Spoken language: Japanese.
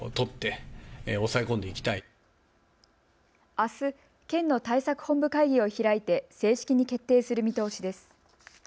あす、県の対策本部会議を開いて正式に決定する見通しです。